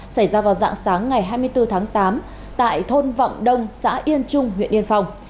xảy ra vào dạng sáng ngày hai mươi bốn tháng tám tại thôn vọng đông xã yên trung huyện yên phong